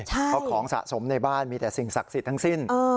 เพราะของสะสมในบ้านมีแต่สิ่งศักดิ์สิทธิ์ทั้งสิ้น